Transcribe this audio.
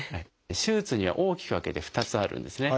手術には大きく分けて２つあるんですね。